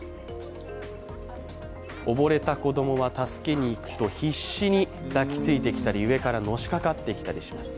溺れた子供は助けにいくと必死に抱きついてきたり上からのしかかってきたりします。